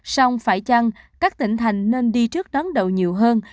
xong phải chăng các tỉnh thành nên đi trước đón đầu nhiều hơn